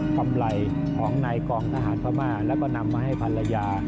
กำไรของนายกองทหารพม่าแล้วก็นำมาให้ภรรยา